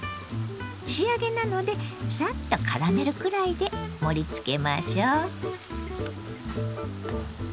仕上げなのでさっとからめるくらいで盛りつけましょう。